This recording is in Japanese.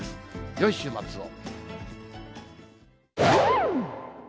よい週末を。